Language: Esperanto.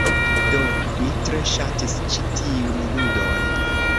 Do. Mi tre ŝatis ĉi tiun ludon.